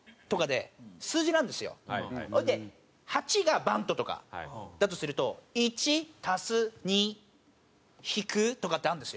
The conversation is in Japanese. それで「８」がバントとかだとすると「１」「足す」「２」「引く」とかってあるんですよ。